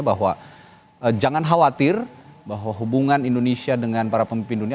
bahwa jangan khawatir bahwa hubungan indonesia dengan para pemimpin dunia